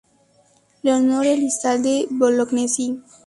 Leonor Elizalde Bolognesi.